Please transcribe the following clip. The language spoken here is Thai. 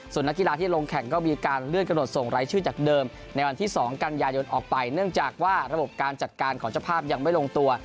ส่วนนักกีฬาที่ลงแข่งก็มีการเลื่อนกระหนดส่งรายชื่อจากเดิมในวันที่๒กันยายนออกไปเนื่องจากว่าระบบการจัดการของเจ้าภาพยังไม่ลงตัว